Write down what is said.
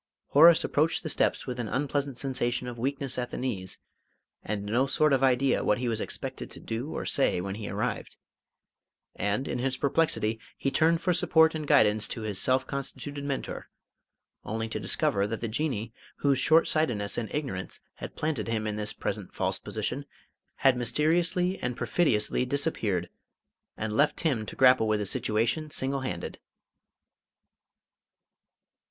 Horace approached the steps with an unpleasant sensation of weakness at the knees, and no sort of idea what he was expected to do or say when he arrived. And, in his perplexity, he turned for support and guidance to his self constituted mentor only to discover that the Jinnee, whose short sightedness and ignorance had planted him in this present false position, had mysteriously and perfidiously disappeared, and left him to grapple with the situation single handed.